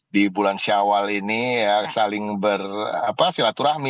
di bulan syawal ini saling ber silaturahmi